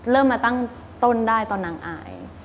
เริ่มมาตั้งต้นได้ตอนนางอาย